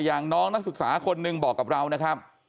อย่างน้องนักศึกษาคนหนึ่งบอกกับเรานะครับ